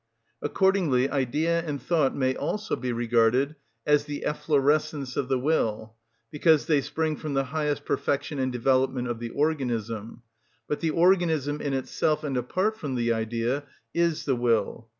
Accordingly idea and thought may also be regarded as the efflorescence of the will, because they spring from the highest perfection and development of the organism; but the organism, in itself and apart from the idea, is the will.